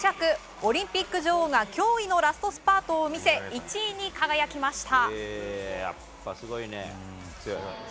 オリンピック女王が驚異のラストスパートを見せ１位に輝きました。